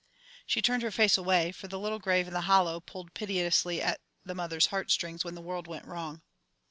She turned her face away, for the little grave in the hollow pulled piteously at the mother's heartstrings when the world went wrong.